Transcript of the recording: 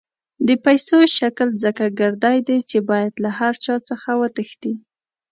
د پیسو شکل ځکه ګردی دی چې باید له هر چا څخه وتښتي.